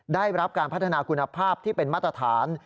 ได้รับการพัฒนาคุณภาพที่เป็นมาตรฐาน